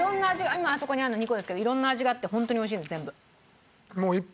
今あそこにあるの２個ですけどいろんな味があって本当においしいの全部。